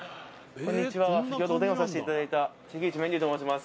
こんにちは先ほどお電話させていただいた関口メンディーと申します